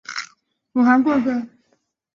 吴廷琰会作出任何事情来试图扑灭共产革命。